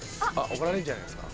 怒られるんじゃないですか？